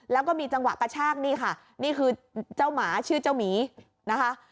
แล้วก็มีจังหวะกระชากนี่ค่ะนี่คือเจ้าหมาชื่อเจ้าหมีนะคะ